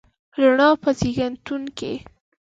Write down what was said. د رڼا په زیږنتون کې